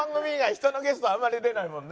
人のゲストあんまり出ないもんね。